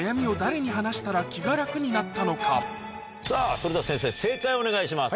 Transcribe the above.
それでは先生正解をお願いします。